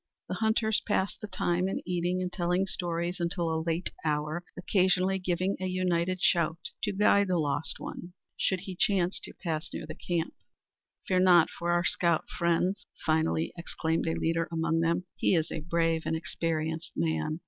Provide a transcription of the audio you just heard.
The hunters passed the time in eating and telling stories until a late hour, occasionally giving a united shout to guide the lost one should he chance to pass near their camp. "Fear not for our scout, friends!" finally exclaimed a leader among them. "He is a brave and experienced man.